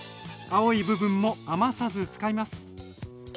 青い部分も余さず使います。